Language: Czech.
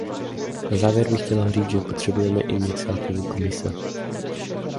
Na závěr bych chtěla říct, že potřebujeme iniciativu Komise.